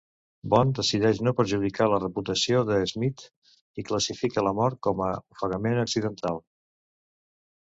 Bond decideix no perjudicar la reputació de Smythe i classifica la mort com a ofegament accidental.